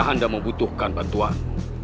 ayah anda membutuhkan bantuan